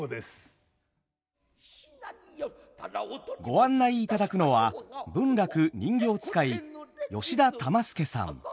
参りましょう！ご案内いただくのは文楽人形遣い吉田玉助さん。